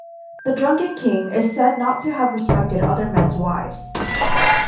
The drunken king is said not to have respected other men's wives.